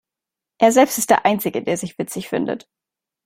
Er selbst ist der Einzige, der sich witzig findet.